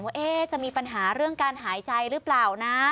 ว่าจะมีปัญหาเรื่องการหายใจหรือเปล่านะ